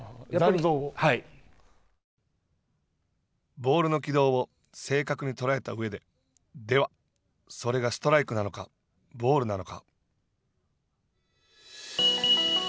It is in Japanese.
ボールの軌道を正確に捉えた上ででは、それがストライクなのかボールなのか？